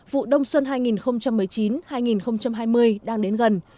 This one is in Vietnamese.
vụ đông xuân hai nghìn một mươi chín hai nghìn hai mươi đang đến gần